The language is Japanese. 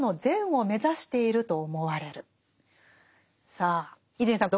さあ伊集院さん